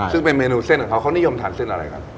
ซึ่งเป็นเมนูเส้นของเขาเขานิยมทานเส้นอะไรครับ